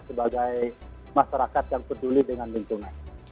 sebagai masyarakat yang peduli dengan lingkungan